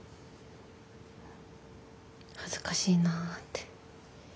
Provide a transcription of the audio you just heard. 恥ずかしいなぁって。